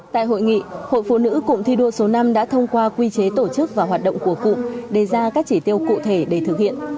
tại hội nghị hội phụ nữ cụng thi đua số năm đã thông qua quy chế tổ chức và hoạt động của cụm đề ra các chỉ tiêu cụ thể để thực hiện